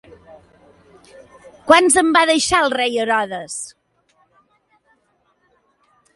Quants en va deixar el rei Herodes!